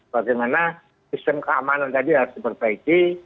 bagaimana sistem keamanan tadi harus diperbaiki